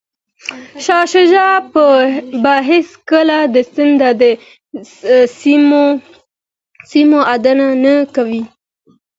شاه شجاع به هیڅکله د سند د سیمو ادعا نه کوي.